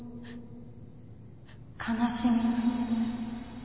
「悲しみ」。